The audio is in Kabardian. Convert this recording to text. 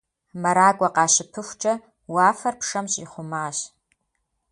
МэракӀуэ къащыпыхукӀэ, уафэр пшэм щӀихъумащ.